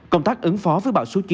công tác ứng phó với báo số chín